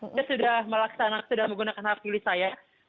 dia sudah melaksanakan sudah menggunakan hak pilih saya